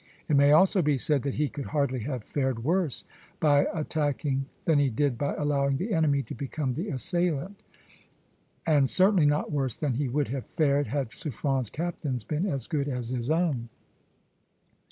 It may also be said that he could hardly have fared worse by attacking than he did by allowing the enemy to become the assailant; and certainly not worse than he would have fared had Suffren's captains been as good as his own.